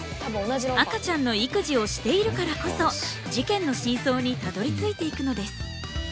赤ちゃんの育児をしているからこそ事件の真相にたどりついていくのです。